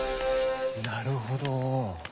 なるほど。